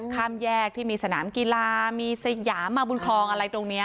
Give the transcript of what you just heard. ข้ามแยกที่มีสนามกีฬามีสยามมาบุญคลองอะไรตรงนี้